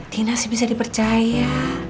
tina sih bisa dipercaya